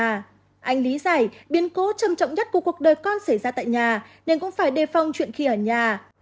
anh lý giải biến cố trầm trọng nhất của cuộc đời con xảy ra tại nhà nên cũng phải đề phòng chuyện khi ở nhà